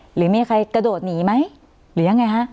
หรือมีใครกระโดดหนีไหมหรือยังไงฮะ